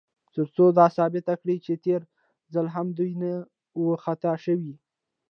تر څو دا ثابته کړي، چې تېر ځل هم دوی نه و خطا شوي.